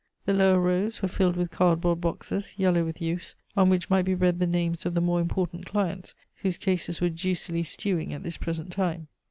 The lower rows were filled with cardboard boxes, yellow with use, on which might be read the names of the more important clients whose cases were juicily stewing at this present time.